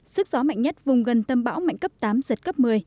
sức gió mạnh nhất vùng gần tâm bão mạnh cấp tám giật cấp một mươi